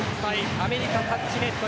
アメリカ、タッチネット。